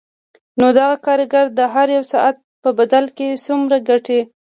نو دغه کارګر د هر یوه ساعت په بدل کې څومره ګټي